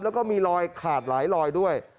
แล้วก็มีรอยขาดหลายรอยด้วย